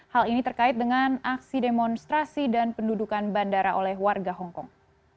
hal ini terkait dengan aksi demonstrasi dan pendudukan bandara oleh warga hongkong